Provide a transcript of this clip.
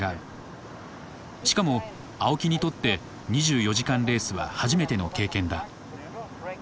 しかも青木にとって２４時間レースは初めての経験だ。